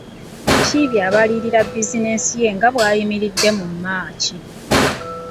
Mukiibi abalirira bizinensi ye nga bw’eyimiridde mu maaci.